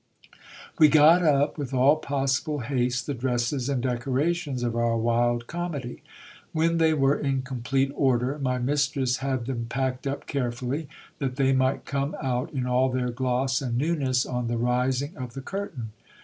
We got up with all possible haste the dresses and decorations of our wild comedy. When they were in complete order, my mistress had them packed up carefully, that they might come out in all their gloss and newness on the rising of the curtain.